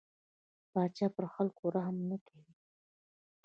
پاچا پر خلکو رحم نه کوي.